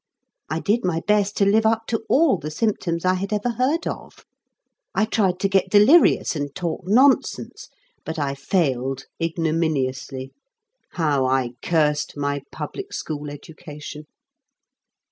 I did my best to live up to all the symptoms I had ever heard of. I tried to get delirious and talk nonsense, but I failed ignominiously. How I cursed my public school education!